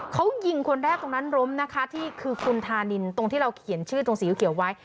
เขายิงคนแรกตรงนั้นล้มนะคะที่คือคุณธานินตรงที่เราเขียนชื่อตรงสีเขียวไว้